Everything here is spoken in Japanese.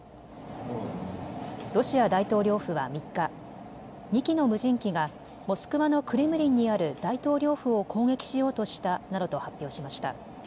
ロシア大統領府は３日、２機の無人機がモスクワのクレムリンにある大統領府を攻撃しようとしたなどと発表しました。